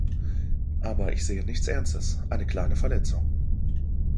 Aber ich sehe nichts Ernstes, eine kleine Verletzung.